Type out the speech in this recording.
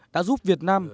đã giúp việt nam